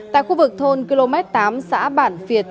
tại khu vực thôn km tám xã bản việt